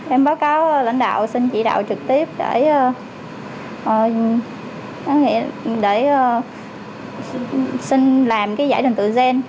em báo cáo lãnh đạo xin chỉ đạo trực tiếp để xin làm cái giải trình tự gen